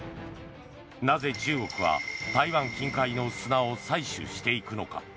なぜ中国は台湾近海の砂を採取していくのか。